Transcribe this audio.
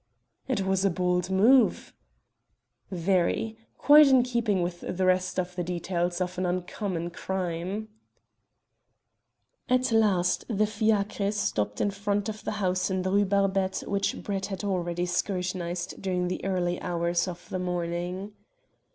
"It was a bold move." "Very. Quite in keeping with the rest of the details of an uncommon crime." At last the fiacre stopped in front of the house in the Rue Barbette which Brett had already scrutinized during the early hours of the morning.